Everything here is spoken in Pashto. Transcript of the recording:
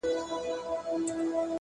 هر منزل د صبر غوښتنه کوي!